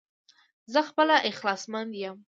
زه خپله اخلاص مند يم